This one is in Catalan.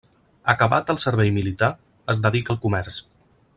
Acabat el servei militar, es dedica al comerç.